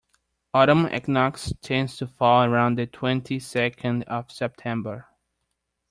Autumn equinox tends to fall around the twenty-second of September.